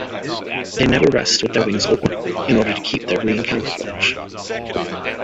They never rest with their wings open, in order to keep their green camouflage.